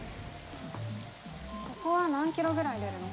ここは何キロぐらい出るの？